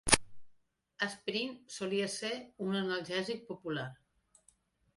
Asprin solia ser un analgèsic popular